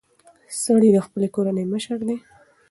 سړی د خپلې کورنۍ مشر دی.